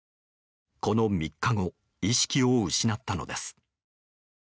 この３日後意識を失ったのです。